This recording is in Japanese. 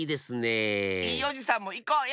いいおじさんもいこうよ！